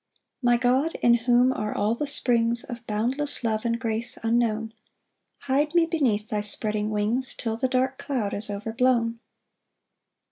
1 My God, in whom are all the springs Of boundless love and grace unknown, Hide me beneath thy spreading wings Till the dark cloud is overblown.